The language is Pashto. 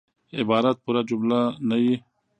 عبارت پوره جمله نه يي.